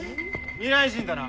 未来人だな？